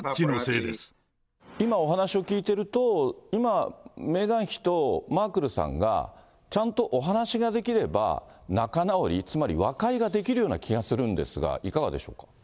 今、お話しを聞いてると、今、メーガン妃とマークルさんがちゃんとお話ができれば、仲直り、つまり和解ができるような気がするんですが、いかがでしょうか。